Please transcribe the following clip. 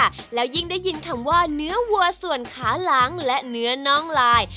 แล้วยิ่งได้ยินคำว่าเนื้อวัวส่วนขาหลังและเนื้อน้องลาย